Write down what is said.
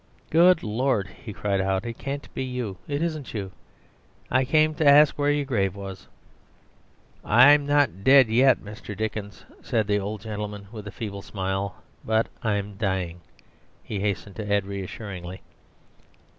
"Good lord!" he cried out; "it can't be you! It isn't you! I came to ask where your grave was." "I'm not dead yet, Mr. Dickens," said the old gentleman, with a feeble smile; "but I'm dying," he hastened to add reassuringly.